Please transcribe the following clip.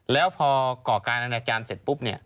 แล้วพอก่อการอนาจารย์เสร็จปุ๊บเนี่ย